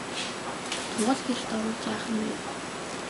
Тугал гэрт оруулж яах нь вэ?